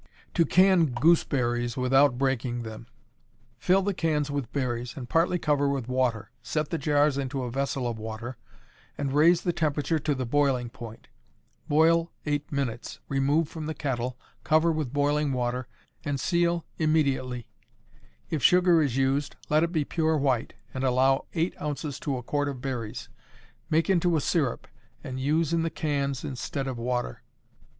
To Can Gooseberries without Breaking them. Fill the cans with berries, and partly cover with water, set the jars into a vessel of water, and raise the temperature to the boiling point. Boil eight minutes, remove from the kettle, cover with boiling water, and seal immediately. If sugar is used, let it be pure white, and allow eight ounces to a quart of berries. Make into a syrup, and use in the cans instead of water.